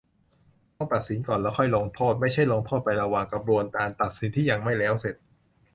ต้องตัดสินก่อน แล้วค่อยลงโทษ - ไม่ใช่ลงโทษไปด้วยระหว่างกระบวนการตัดสินที่ยังไม่แล้วเสร็จ